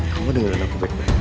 kamu dengerin aku bek